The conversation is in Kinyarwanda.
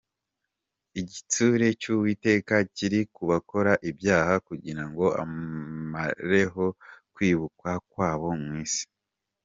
Igitsure cy’Uwiteka kiri ku bakora ibyaha, Kugira ngo amareho kwibukwa kwabo mu isi.